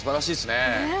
ねえ。